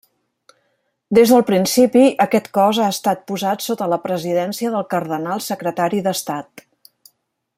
Des del principi, aquest cos ha estat posat sota la presidència del cardenal secretari d'Estat.